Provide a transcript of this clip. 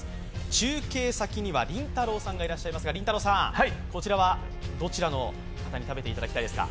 中継先にはりんたろーさんがいらっしゃいますがこちらはどちらの方に食べていただきたいですか？